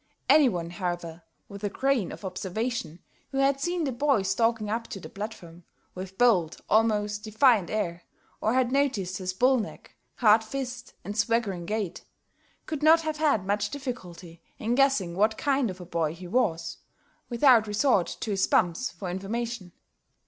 Any one, however, with a grain of observation, who had seen the boy stalking up to the platform, with bold, almost defiant air, or had noticed his bull neck, hard fist, and swaggering gait, could not have had much difficulty in guessing what kind of a boy he was, without resort to his bumps for information.